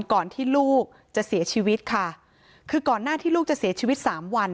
ก่อนที่ลูกจะเสียชีวิตค่ะคือก่อนหน้าที่ลูกจะเสียชีวิตสามวัน